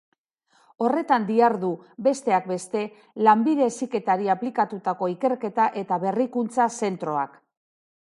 Horretan dihardu, besteak beste, lanbide heziketari aplikatutako ikerketa eta berrikuntza zentroak.